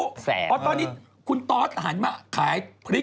เพราะตอนนี้คุณตอสหันมาขายพริก